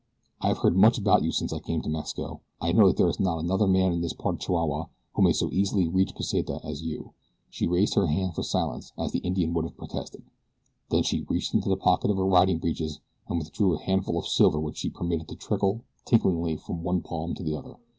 "I have heard much about you since I came to Mexico. I know that there is not another man in this part of Chihuahua who may so easily reach Pesita as you." She raised her hand for silence as the Indian would have protested. Then she reached into the pocket of her riding breeches and withdrew a handful of silver which she permitted to trickle, tinklingly, from one palm to the other.